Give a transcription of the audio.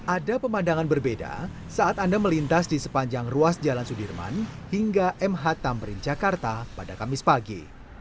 ada pemandangan berbeda saat anda melintas di sepanjang ruas jalan sudirman hingga mh tamrin jakarta pada kamis pagi